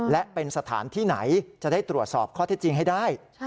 และเป็นสถานที่ไหนจะได้ตรวจสอบข้อเท็จจริงให้ได้